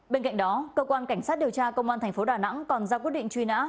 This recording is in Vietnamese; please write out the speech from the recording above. bên cạnh đó cơ quan cảnh sát điều tra công an thành phố đà nẵng còn ra quyết định truy nã